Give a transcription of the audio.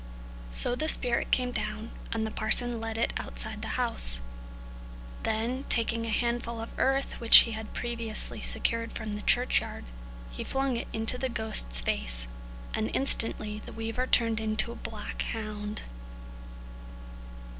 So the spirit came down, and the parson led it outside the house. Then taking a handful of earth, which he had previously secured from the churchyard, he flung it into the ghost's face, and instantly the weaver turned into a black hound.